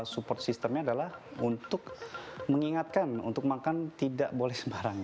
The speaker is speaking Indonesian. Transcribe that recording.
support systemnya adalah untuk mengingatkan untuk makan tidak boleh sembarangan